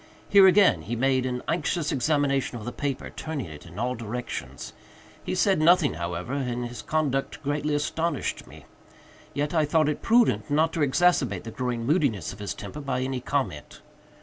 Here again he made an anxious examination of the paper; turning it in all directions. He said nothing, however, and his conduct greatly astonished me; yet I thought it prudent not to exacerbate the growing moodiness of his temper by any comment.